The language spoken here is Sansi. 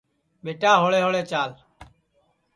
ٻیٹا ہوݪے ہوݪے چال